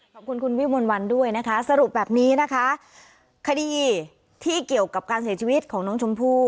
ขอบคุณคุณวิมนต์วันด้วยนะคะสรุปแบบนี้นะคะคดีที่เกี่ยวกับการเสียชีวิตของน้องชมพู่